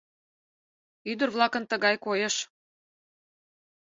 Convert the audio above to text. Ӱдыр-влакын тыгай койыш.